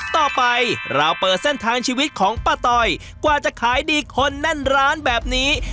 ต่อไปเราเปิดเส้นทางชีวิตของป้าตอยกว่าจะขายดีคนแน่นร้านแบบนี้